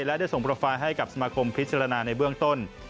และได้ส่งโปรไฟล์ให้กับสมาคมพิจารณาในเบื้องต้น